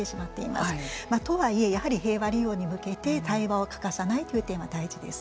とはいえやはり平和利用に向けて対話を欠かさないという点は大事です。